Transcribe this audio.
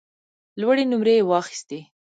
لوړې نمرې یې واخیستې.